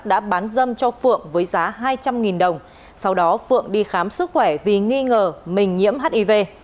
đã bán dâm cho phượng với giá hai trăm linh đồng sau đó phượng đi khám sức khỏe vì nghi ngờ mình nhiễm hiv